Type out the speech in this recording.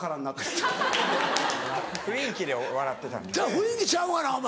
雰囲気ちゃうがなお前。